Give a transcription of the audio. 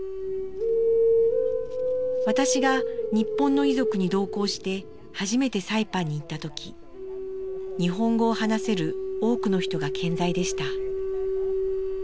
私が日本の遺族に同行して初めてサイパンに行った時日本語を話せる多くの人が健在でした。